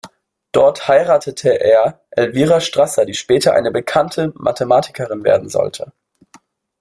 Dort heiratete er Elvira Strasser, die später eine bekannte Mathematikerin werden sollte.